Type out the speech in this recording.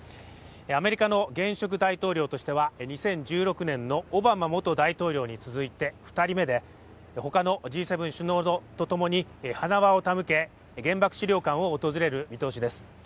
アメリカの現職大統領としては２０１６年のオバマ元大統領に続いて２人目で他のＧ７首脳と共に花輪を手向け、原爆資料館を訪れる見通しです。